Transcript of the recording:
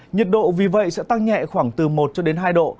nhiệt độ vì vậy sẽ tăng nhẹ khoảng từ một cho đến hai độ